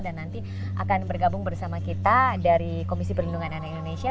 dan nanti akan bergabung bersama kita dari komisi perlindungan anak indonesia